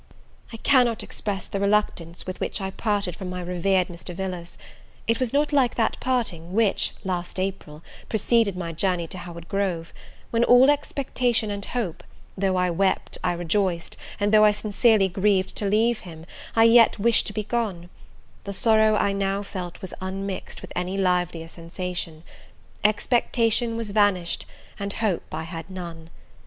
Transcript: I cannot express the reluctance with which I parted from my revered Mr. Villars: it was not like that parting which, last April, preceded my journey to Howard Grove, when, all expectation and hope, though I wept, I rejoiced, and, though I sincerely grieved to leave him, I yet wished to be gone: the sorrow I now felt was unmixed with any livelier sensation; expectation was vanished, and hope I had none!